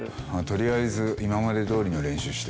とりあえず今までどおりの練習して。